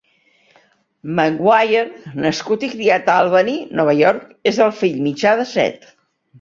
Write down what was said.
Maguire, nascut i criat a Albany, Nova York, és el fill mitjà de set.